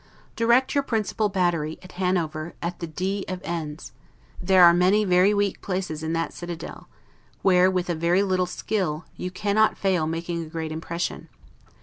Direct your principal battery, at Hanover, at the D of N 's: there are many very weak places in that citadel; where, with a very little skill, you cannot fail making a great impression.